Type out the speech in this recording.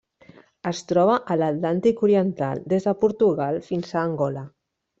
Es troba a l'Atlàntic oriental: des de Portugal fins a Angola.